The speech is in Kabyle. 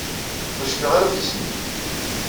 Ur cfiɣ ara ɣef yisem-nnek.